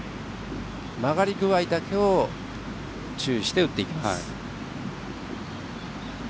曲がり具合だけを注意して打っていきます。